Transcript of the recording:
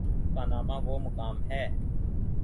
Panama وہ مقام ہے۔